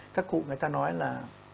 các cụ người ta nói là